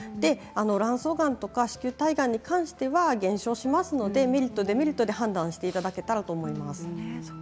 卵巣がんとか子宮体がんに関しては減少しますのでメリット、デメリットで判断していただければと思います。